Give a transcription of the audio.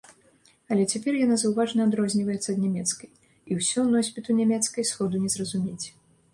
Але цяпер яна заўважна адрозніваецца ад нямецкай і ўсё носьбіту нямецкай сходу не зразумець.